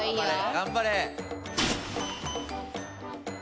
頑張れ。